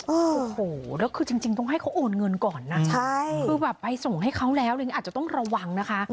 โอ้โหแล้วคือจริงต้องให้เขาโอนเงินก่อนนะใช่คือแบบไปส่งให้เขาแล้วอะไรอย่างนี้อาจจะต้องระวังนะคะ